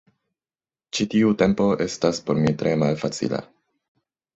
Ĉi tiu tempo estis por mi tre malfacila.